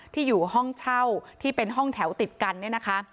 ที่อยู่ห้องเช่าที่เป็นห้องแถวติดกันเนี่ยนะคะ